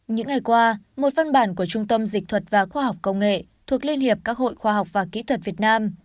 những ngày qua một văn bản của trung tâm dịch thuật và khoa học công nghệ thuộc liên hiệp các hội khoa học và kỹ thuật việt nam